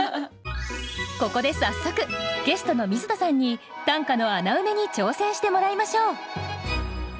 ここで早速ゲストの水田さんに短歌の穴埋めに挑戦してもらいましょう。